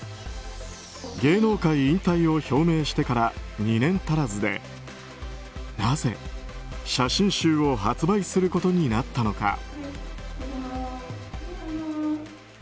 芸能界引退を表明してから２年足らずでなぜ写真集を発売することになったのか。